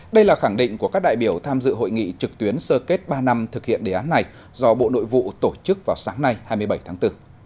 đây là khẳng định của các đại biểu tham dự hội nghị trực tuyến sơ kết ba năm thực hiện đề án này do bộ nội vụ tổ chức vào sáng nay hai mươi bảy tháng bốn